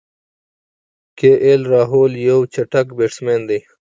کی ایل راهوله یو چټک بیټسمېن دئ.